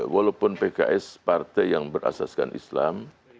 walaupun pks partai yang berasaskan islam